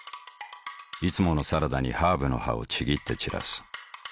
いつものサラダにハーブの葉をちぎって散らす。